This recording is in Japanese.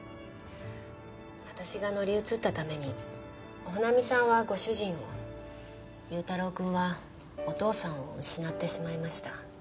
私が乗り移ったために帆奈美さんはご主人を優太郎くんはお父さんを失ってしまいました。